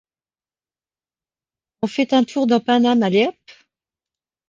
On fait un tour dans Paname, allez hop !